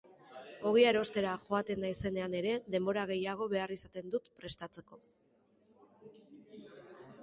Ogia erostera joaten naizenean ere denbora gehiago behar izaten dut prestatzeko.